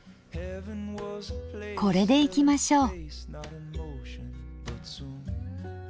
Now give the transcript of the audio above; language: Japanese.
これでいきましょう。